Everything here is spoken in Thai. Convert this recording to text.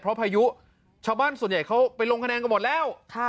เพราะพายุชาวบ้านส่วนใหญ่เขาไปลงคะแนนกันหมดแล้ว